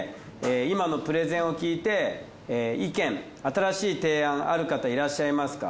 今のプレゼンを聞いて意見新しい提案ある方いらっしゃいますか？